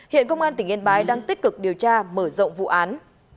hiện công an tỉnh yên bái đang tích cực điều tra mở rộng vụ án